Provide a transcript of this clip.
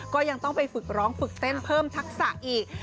ก็ยังต้องไปฝึกร้องฝึกเต้นเพิ่มทักษะอีก